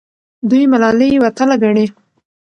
دوی ملالۍ یوه اتله ګڼي.